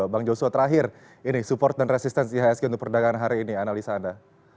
bang joshua terakhir ini support dan resistensi ihsg untuk perdagangan hari ini analisa anda